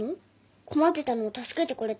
困ってたのを助けてくれたんだよ。